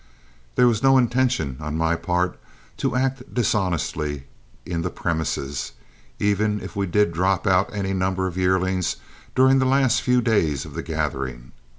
There was no intention on my part to act dishonestly in the premises, even if we did drop out any number of yearlings during the last few days of the gathering.